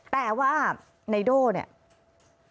แต่ว่าไนโด่เนี่ย